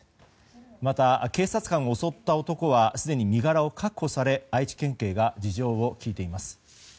また、警察官を襲った男はすでに身柄を確保され愛知県警が事情を聴いています。